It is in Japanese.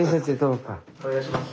お願いします。